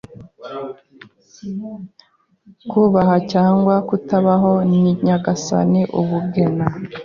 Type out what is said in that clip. Kubaho cyangwa kutabaho?ni nyagasani ubugena